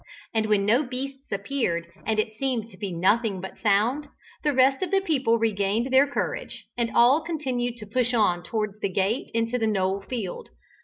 And when no beasts appeared, and it seemed to be nothing but sound, the rest of the people regained their courage, and all continued to push on towards the gate into the knoll field.